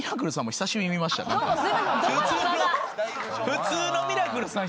普通のミラクルさん